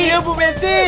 iya bu messi